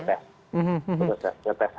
berarti ya mas ya